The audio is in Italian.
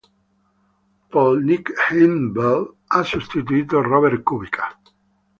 Poi Nick Heidfeld ha sostituito Robert Kubica.